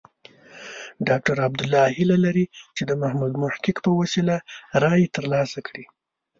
ډاکټر عبدالله هیله لري چې د محمد محقق په وسیله رایې ترلاسه کړي.